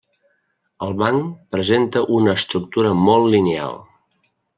El banc presenta una estructura molt lineal.